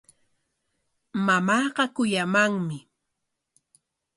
Mamaaqa kuyamanmi.